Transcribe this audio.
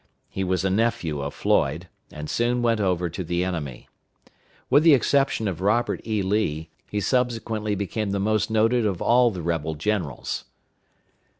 He was a nephew of Floyd, and soon went over to the enemy. With the exception of Robert E. Lee, he subsequently became the most noted of all the rebel generals.